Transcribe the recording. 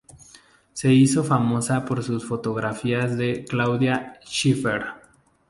Se hizo famosa por sus fotografías de Claudia Schiffer.